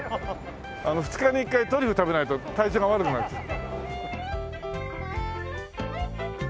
２日に１回トリュフ食べないと体調が悪くなっちゃう。